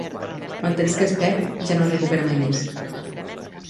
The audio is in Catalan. El temps que es perd ja no es recupera mai més